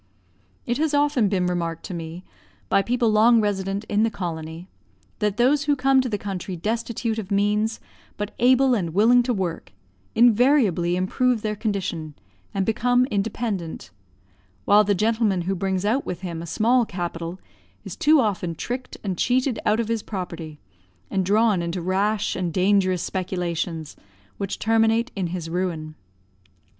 It has often been remarked to me by people long resident in the colony, that those who come to the country destitute of means, but able and willing to work, invariably improve their condition and become independent; while the gentleman who brings out with him a small capital is too often tricked and cheated out of his property, and drawn into rash and dangerous speculations which terminate in his ruin.